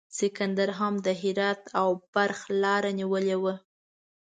سکندر هم د هرات او بلخ لیاره نیولې وه.